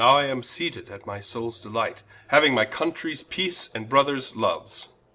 Now am I seated as my soule delights, Hauing my Countries peace, and Brothers loues Cla.